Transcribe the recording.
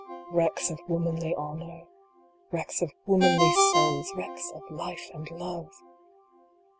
Wrecks of womanly honor ! Wrecks of womanly souls ! Wrecks of life and love